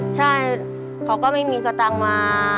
ใช่เขาก็ไม่มีสตางค์มา